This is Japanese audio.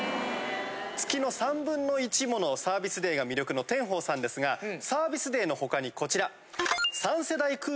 月の３分の１ものサービスデーが魅力のテンホウさんですがサービスデーのほかにこちら。